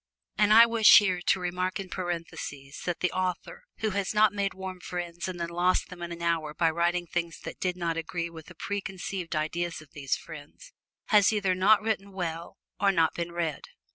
And I wish here to remark in parentheses that the author who has not made warm friends and then lost them in an hour by writing things that did not agree with the preconceived idea of these friends, has either not written well or not been read.